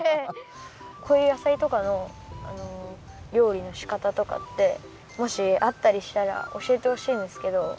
こういう野菜とかのりょうりのしかたとかってもしあったりしたらおしえてほしいんですけど。